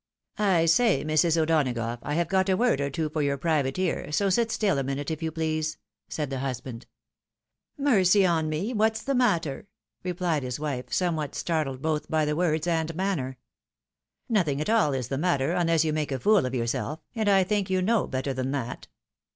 " I say! Mrs. O'Donagough, I have got a word or two for your private ear, so sit stiU a minute, if you please," said the husband. " Mercy on me ! what's the matter? " rephed the wife, some what startled both by the words and manner. " Nothing at all is the matter, unless you make a fool of yourself ; and I think you know better than that."